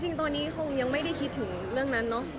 จริงตอนนี้คงยังไม่ได้คิดถึงเรื่องนั้นเนอะ